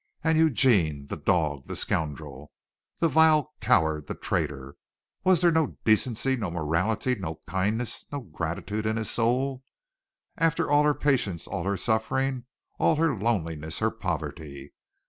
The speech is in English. And Eugene! The dog! The scoundrel! The vile coward! The traitor! Was there no decency, no morality, no kindness, no gratitude in his soul? After all her patience, all her suffering, all her loneliness, her poverty.